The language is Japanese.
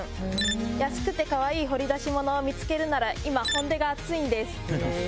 安くてかわいい掘り出し物を見つけるなら今弘大が熱いんです。